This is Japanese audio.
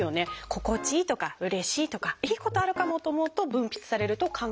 「心地いい」とか「うれしい」とか「いいことあるかも」と思うと分泌されると考えられている。